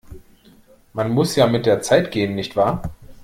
Man muss ja mit der Zeit gehen, nicht wahr?